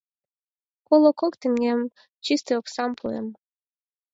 Коло кок теҥгем чистый оксам пуэм.